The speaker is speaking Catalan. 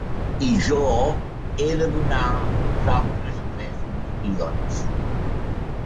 I jo he de donar uns altres tres milions.